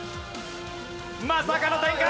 まさかの展開！